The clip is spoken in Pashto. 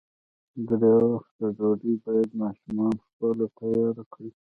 درې وخته ډوډۍ باید ماشومان خپله تیاره کړي.